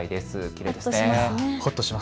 きれいですね。